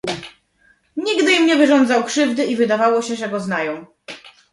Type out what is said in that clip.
"Nigdy im nie wyrządzał krzywdy, i zdawało się, że go znają."